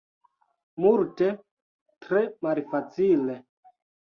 Multe tre malfacile.